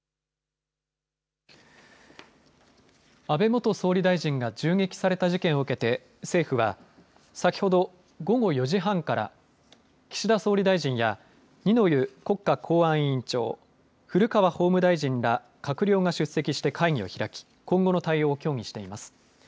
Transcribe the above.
安倍元総理大臣が銃撃された事件を受けて、政府は、先ほど午後４時半から、岸田総理大臣や、二之湯国家公安委員長、古川法務大臣ら閣僚が出席して会議を開き、今後の対応を協議しています。